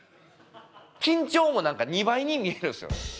緊張も２倍に見えるんですよ。